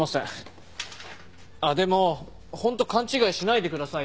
あっでもホント勘違いしないでくださいね。